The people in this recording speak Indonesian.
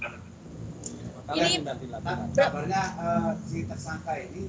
pak kale apakah si tersangka ini